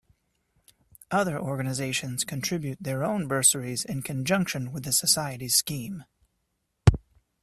Other organisations contribute their own bursaries in conjunction with the Society’s scheme.